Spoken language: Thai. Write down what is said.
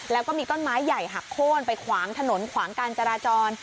แล้วก็มีต้นไม้ใหญ่หักโค้นไปขวางถนนขวางการจราจร